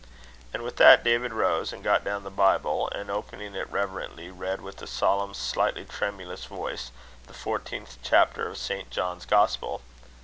And with that David rose, and got down the Bible, and, opening it reverently, read with a solemn, slightly tremulous voice, the fourteenth chapter of St. John's Gospel.